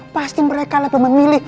pasti mereka lebih memilih